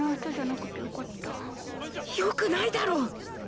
よくないだろ！